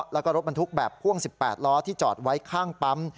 แล้วก็รถบรรทุกแบบพ่วง๑๘ล้อที่จอดไว้ข้างปั๊ม